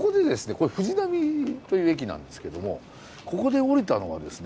これ藤並という駅なんですけどもここで降りたのはですね